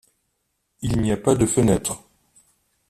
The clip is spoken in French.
Il n'y a pas de fenêtre.